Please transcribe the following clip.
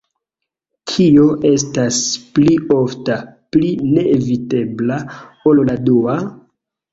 Kio estas pli ofta, pli neevitebla ol la dua?